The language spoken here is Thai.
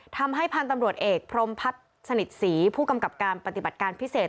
ทำให้พันธุ์ตำรวจเอกพรมพัฒน์สนิทศรีผู้กำกับการปฏิบัติการพิเศษ